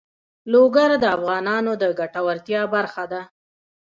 لوگر د افغانانو د ګټورتیا برخه ده.